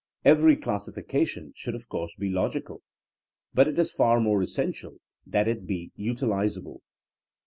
Every classifica tion should of course be logical; but it is far more essential that it be utilizable.